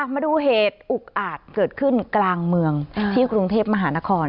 มาดูเหตุอุกอาจเกิดขึ้นกลางเมืองที่กรุงเทพมหานคร